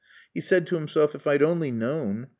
He said to himself, "If I'd only known.